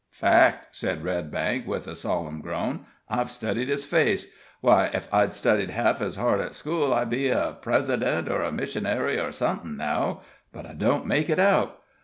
"Fact," said Redbank, with a solemn groan. "I've studied his face why, ef I'd studied half ez hard at school I'd be a president, or missionary, or somethin' now but I don't make it out.